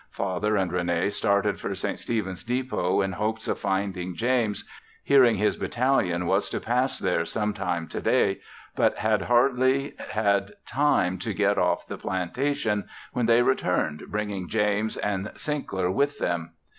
Father and Rene started for St. Stephens Depot in hopes of finding James hearing his battalion was to pass there some time to day, but had hardly had time to get off the plantation, when they returned bringing James and Sinkler with them.